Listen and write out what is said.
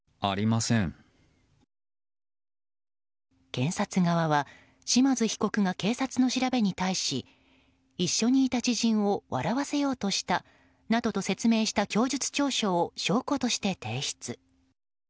検察側は嶋津被告が警察の調べに対し一緒にいた知人を笑わせようとしたなどと説明した供述調書を証拠として提出。